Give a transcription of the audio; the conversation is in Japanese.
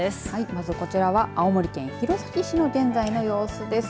まず、こちらは青森県弘前市の現在の様子です。